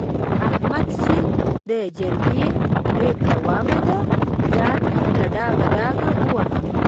احمد چې د جرګې پرېکړه واورېده؛ ځان يې له ډاګه ډاګه وواهه.